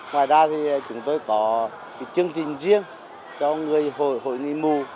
ngoài ra thì chúng tôi có chương trình riêng cho người hội người mù